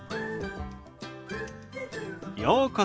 ようこそ。